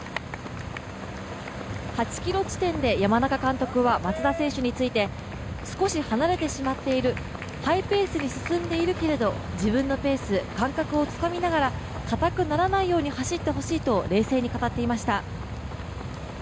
８ｋｍ地点で山中監督は松田選手について少し離れてしまっているハイペースに進んでいるけれど自分のペース感覚をつかみながら硬くならないように走ってほしいと冷静に語っていました。